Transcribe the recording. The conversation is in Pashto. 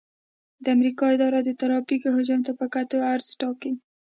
د امریکا اداره د ترافیک حجم ته په کتو عرض ټاکي